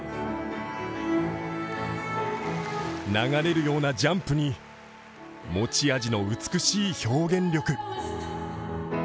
流れるようなジャンプに持ち味の美しい表現力。